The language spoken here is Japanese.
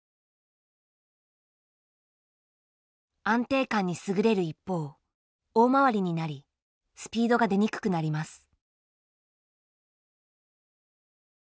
安定感に優れる一方大回りになりスピードが出にくくなります。